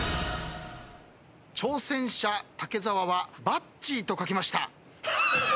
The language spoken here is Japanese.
挑戦者武沢は「バッチー」と書きました。